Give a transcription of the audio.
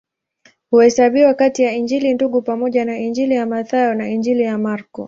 Huhesabiwa kati ya Injili Ndugu pamoja na Injili ya Mathayo na Injili ya Marko.